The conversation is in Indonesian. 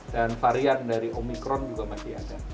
dan varian dari omikron juga masih ada